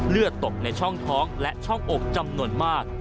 เลือดตกในช่องท้องและช่องอกจำนวนมาก